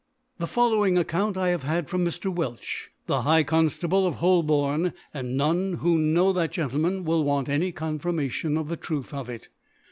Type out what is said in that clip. The following Account I have had from Mr, fP^ekb, the High Connabk of Hal^ houm \ and none who know that Gentle^ man, will want any Confirmation of the Truth of it.